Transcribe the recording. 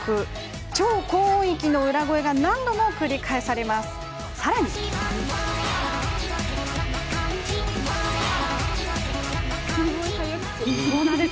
超高音域の裏声が何度も繰り返されます。